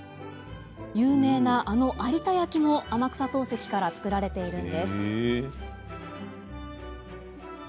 有名な、あの有田焼も天草陶石から作られているんです。